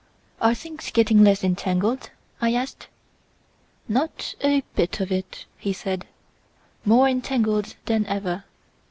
"Are things getting less entangled?" I asked. "Not a bit of it!" he said, "more entangled than ever!